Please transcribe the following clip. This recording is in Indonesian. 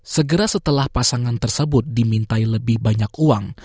segera setelah pasangan tersebut dimintai lebih banyak uang